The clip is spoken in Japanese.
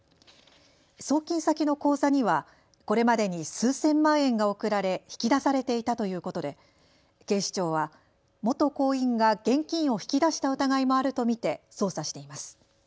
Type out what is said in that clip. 送金先の口座にはこれまでに数千万円が送られ引き出されていたということで警視庁は元行員が現金を引き出した疑いもあると見て捜査しています。